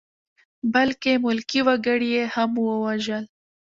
بلکې ملکي وګړي یې هم ووژل.